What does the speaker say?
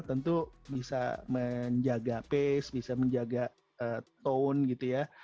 tentu bisa menjaga pace bisa menjaga tone gitu ya